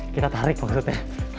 kita tarik maksudnya